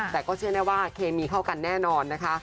แต่ก็เชื่อแน่ว่าเคมีเข้ากันแน่นอนนะคะ